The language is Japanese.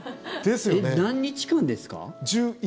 何日間ですか？